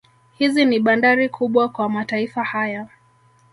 Hizi ni bandari kubwa kwa mataifa haya